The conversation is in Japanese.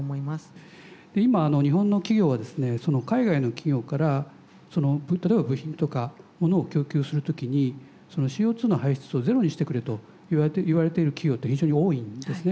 今日本の企業はですね海外の企業から例えば部品とかものを供給する時にＣＯの排出をゼロにしてくれと言われている企業って非常に多いんですね。